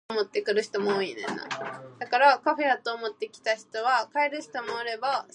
American multinational fast food restaurant chain McDonald's have their Australian headquarters in Thornleigh.